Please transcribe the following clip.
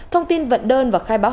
thông tin vận đơn và khai báo